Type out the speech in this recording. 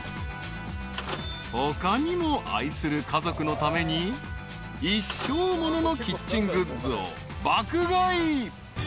［他にも愛する家族のために一生もののキッチングッズを爆買い］